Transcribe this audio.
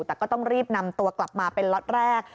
แต่ก็ต้องรีบนำตัวกลับมาเป็นล็อตแรก